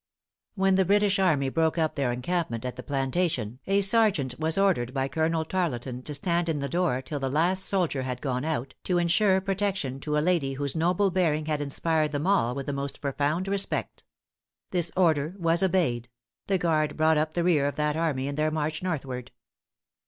When the British army broke up their encampment at the plantation, a sergeant was ordered by Colonel Tarleton to stand in the door till the last soldier had gone out, to ensure protection to a lady whose noble bearing had inspired them all with the most profound respect. This order was obeyed; the guard brought up the rear of that army in their march northward.